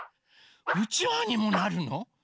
うちわにもなるの？